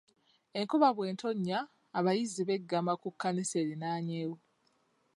Enkuba bw'etonnya abayizi baggama ku kkanisa eriraanyeewo.